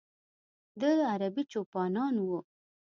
د ه عربي چوپانان و.